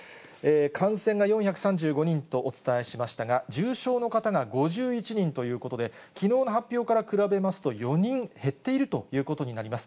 感染が４３５人とお伝えしましたが、重症の方が５１人ということで、きのうの発表から比べますと４人減っているということになります。